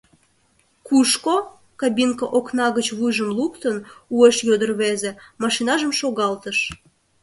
— Кушко?! — кабинка окна гыч вуйжым луктын, уэш йодо рвезе, машинажым шогалтыш.